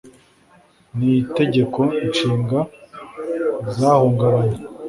n’Itegeko Nshinga zahungabanye.